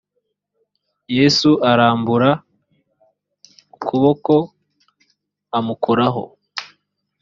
yesu arambura ukuboko amukoraho